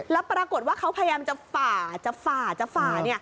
แล้วปรากฏว่าเขาพยายามจะฝ่าจะฝ่าจะฝ่า